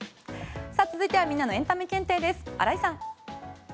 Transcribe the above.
続いてはみんなのエンタメ検定です荒井さん。